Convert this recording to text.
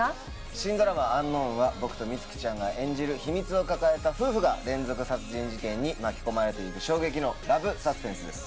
新ドラマ『ｕｎｋｎｏｗｎ』は僕と充希ちゃんが演じる秘密を抱えた夫婦が連続殺人事件に巻き込まれていく衝撃のラブ・サスペンスです。